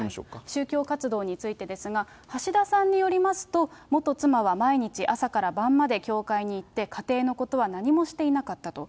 宗教活動についてですが、橋田さんによりますと、元妻は毎日、朝から晩まで教会に行って、家庭のことは何もしていなかったと。